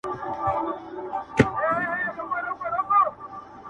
• یو په غوړه ګودړۍ کي وي پېچلی ,